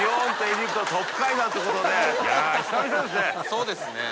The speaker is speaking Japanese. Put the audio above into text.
そうですね。